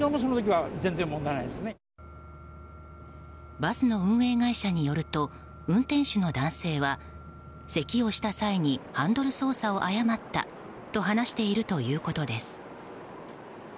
バスの運営会社によると運転手の男性はせきをした際にハンドル操作を誤ったと話しているということです。